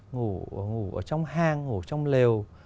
ngủ ở trong hang ngủ trong lều